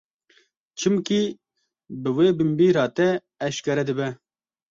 Çimkî bi wê binbîra te eşkere dibe.